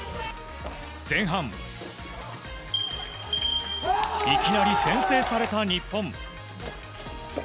前半、いきなり先制された日本。